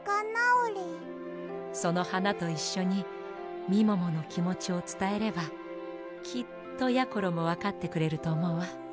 そのはなといっしょにみもものきもちをつたえればきっとやころもわかってくれるとおもうわ。